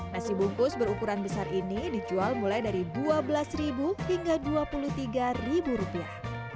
nasi bungkus berukuran besar ini dijual mulai dari dua belas hingga dua puluh tiga rupiah